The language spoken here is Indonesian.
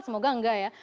semoga enggak ya